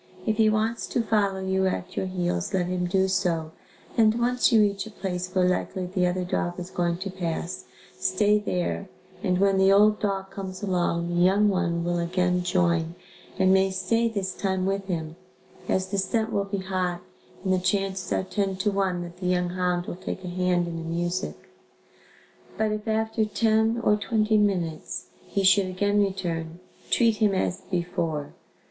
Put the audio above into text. If he wants to follow you at your heels, let him do so and once you reach a place where likely the other dog is going to pass, stay there and when the old dog comes along, the young one will again join and may stay this time with him, as the scent will be hot and the chances are ten to one that the young hound will take a hand in the music. But if after ten, or twenty minutes, he should again return, treat him as before.